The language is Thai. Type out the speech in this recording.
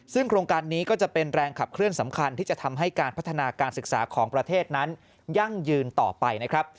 ซึ่งโครงการนี้ก็จะเป็นแรงขับเคลื่อนสำคัญที่จะทำให้การพัฒนาการศึกษาของประเทศนั้นยั่งยืนต่อไปนะครับ